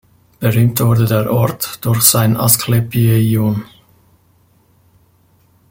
Berühmt wurde der Ort durch sein Asklepieion.